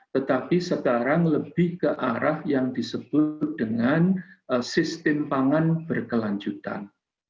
tetapi sekarang lebih ke arah yang disebut dengan sistem pangan berkelanjutan